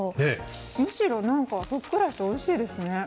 むしろ、ふっくらしておいしいですね。